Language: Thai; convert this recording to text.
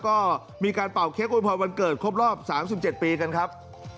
ก็มีการเป่าเคกอุณพรวันเกิดครบรอบสามสิบเจ็ดปีกันครับ